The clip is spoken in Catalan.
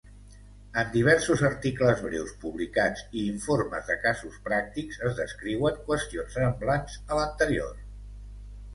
En diversos articles breus publicats i informes de casos pràctics es descriuen qüestions semblants a l'anterior.